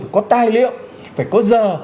phải có tài liệu phải có giờ